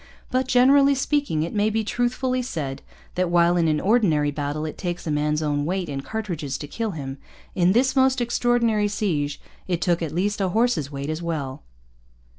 But, generally speaking, it may be truthfully said that while, in an ordinary battle, it takes a man's own weight in cartridges to kill him, in this most extraordinary siege it took at least a horse's weight as well.